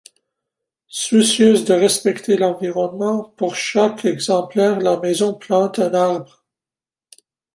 Soucieuse de respecter l'environnement, pour chaque exemplaire, la maison plante un arbre.